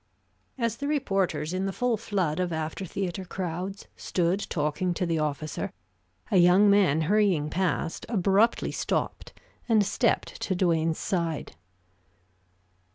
As the reporters, in the full flood of after theater crowds, stood talking to the officer, a young man hurrying past abruptly stopped and stepped to Duane's side.